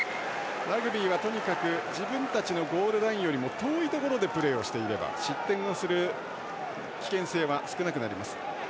ラグビーはとにかく自分たちのゴールラインよりも遠いところでプレーしていれば失点をする危険性は少なくなります。